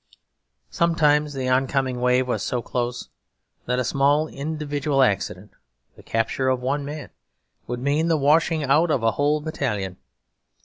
Sometimes the oncoming wave was so close that a small individual accident, the capture of one man, would mean the washing out of a whole battalion.